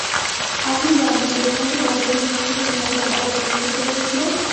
আপনি জানেন এদের মধ্যে কতজন বিমানটিকে নিরাপদে অবতরণ করতে পেরেছিল?